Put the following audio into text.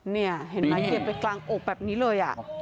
เนี่ยเห็นมั๊ยเกลไกลกลางอกแบบนี้เลยอะ